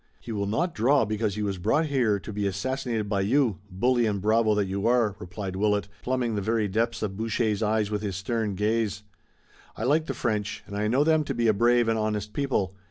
"He will not draw because he was brought here to be assassinated by you, bully and bravo that you are," replied Willet, plumbing the very depths of Boucher's eyes with his stern gaze. "I like the French, and I know them to be a brave and honest people.